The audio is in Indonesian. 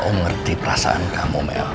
oh ngerti perasaan kamu mel